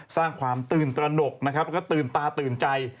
สร้างความตื่นตระหนกและตื่นตาตื่นใจ